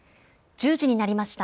１０時になりました。